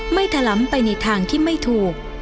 ถล้ำไปในทางที่ไม่ถูก